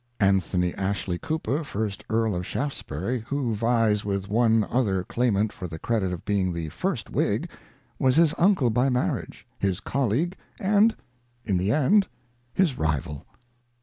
Anthony Ashley Cooper, first Earl of Shaftesbury, who vies with one other claimant for the credit of being the first Whig, was his uncle by marriage, his colleague, and, in the end, his rival.